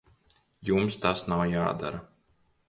Jums tas nav jādara.